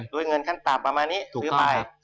ด้วยเงินขั้นตับประมาณนี้ซื้อไป